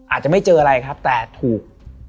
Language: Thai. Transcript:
อาจจะไม่เจออะไรครับแต่ถูก